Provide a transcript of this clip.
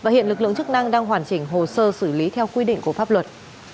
hiện lực lượng chức năng đang hoàn chỉnh hồ sơ xử lý theo quy định của pháp luật